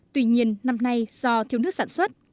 tuy nhiên năm nay do thiếu nước sản xuất